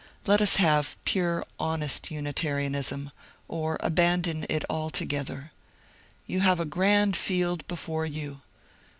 Let us have pure honest Unitarianism, or abandon it altogether. You have a grand field before you.